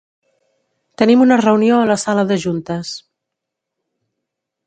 Tenim una reunió a la sala de juntes.